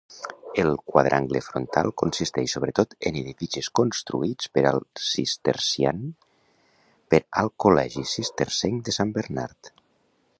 El quadrangle frontal consisteix sobretot en edificis construïts per al Cistercian per al col·legi cistercenc de San Bernard.